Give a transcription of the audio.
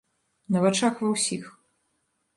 На вачах ва ўсіх.